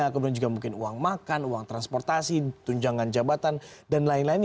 kemudian juga mungkin uang makan uang transportasi tunjangan jabatan dan lain lainnya